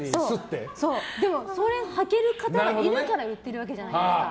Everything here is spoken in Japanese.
それ履ける方がいるから売っているわけじゃないですか。